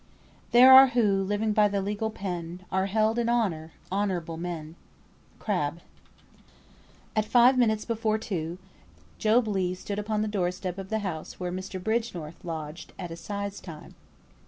"There are who, living by the legal pen, Are held in honour honourable men." CRABBE. At five minutes before two, Job Legh stood upon the door step of the house where Mr. Bridgenorth lodged at Assize time.